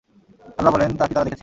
আল্লাহ বলেন, তা কি তারা দেখেছে?